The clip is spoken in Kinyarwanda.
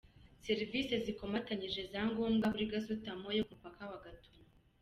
serivisi zikomatanyije za ngombwa kuri Gasutamo yo ku mupaka wa Gatuna.